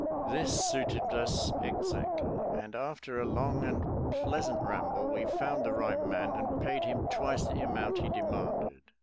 That suited us exactly, and, after a long and pleasant ramble, we found the right man and paid him twice the amount he de manded.